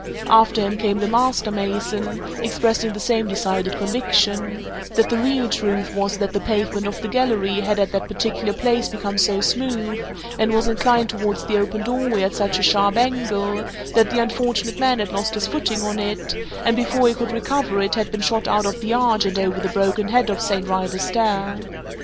After him came the master mason, expressing the same decided conviction that the real truth was that the pavement of the gallery had at that particular place become so smooth, and was inclined towards the open doorway at such a sharp angle, that the unfortunate man had lost his footing on it, and before he could recover it had been shot out of the arch and over the broken head of St. Wrytha's Stair.